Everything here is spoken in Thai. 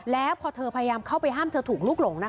แล้วพอเธอพยายามเข้าไปห้ามเธอถูกลุกหลงนะคะ